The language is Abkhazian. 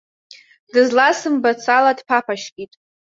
Дызласымбацыз ала дԥаԥашькит.